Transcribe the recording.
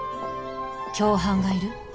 共犯がいる？